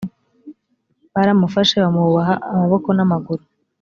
baramufashe bamuboha amaboko n’amaguru